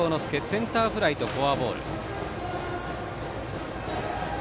センターフライとフォアボール。